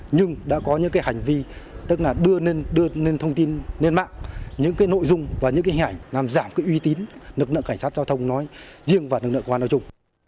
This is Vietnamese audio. nhưng đã có những hành vi tức là đưa lên thông tin lên mạng những nội dung và những hẻ làm giảm uy tín lực lượng cảnh sát giao thông nói riêng và lực lượng công an